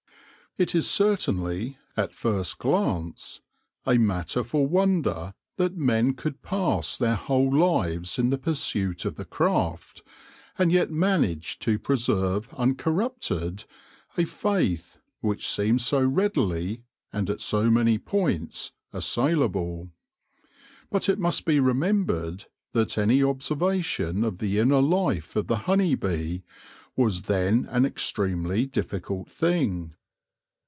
It is certainly, at first glance, a matter for wonder that men could pass their whole lives in the pursuit of the craft, and yet manage to preserve uncorrupted a faith which seems so readily, and at so many points, assailable. But it must be remembered that any observation of the inner life of the honey bee was then an extremely difficult thing.